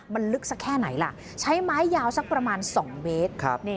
มันลึกสักแค่ไหนล่ะใช้ไม้ยาวสักประมาณ๒เมตร